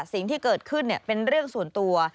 สิ่งที่เกิดขึ้นเป็นเรื่องส่วนตัว